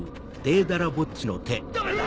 ダメだ！